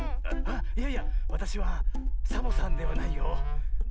いやいやわたしはサボさんではないよ。